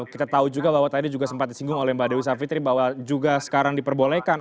kita tahu juga bahwa tadi juga sempat disinggung oleh mbak dewi savitri bahwa juga sekarang diperbolehkan